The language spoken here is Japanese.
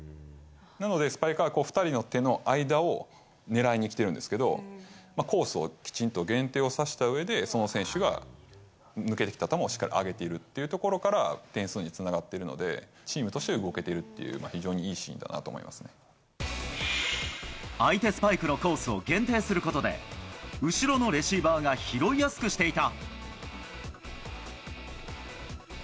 なのでスパイカー２人の手の間を狙いにきてるんですけど、コースをきちんと限定をさせたうえで、その選手が抜けてきた球をしっかり上げているというところから、点数につながってるので、チームとして動けているという、非常に相手スパイクのコースを限定することで、後ろのレシーバーが拾いやすくしていた。